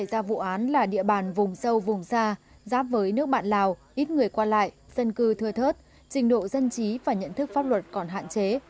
xảy ra vụ án là địa bàn vùng sâu vùng xa giáp với nước bạn lào ít người qua lại dân cư thưa thớt trình độ dân trí và nhận thức pháp luật còn hạn chế